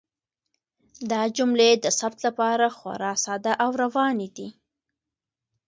دا جملې د ثبت لپاره خورا ساده او روانې دي.